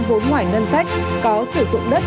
vốn ngoài ngân sách có sử dụng đất